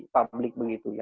publik begitu ya